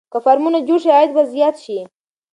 که فارمونه جوړ شي عاید به زیات شي.